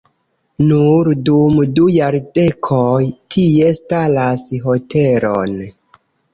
Nur dum du jardekoj tie staras hotelon.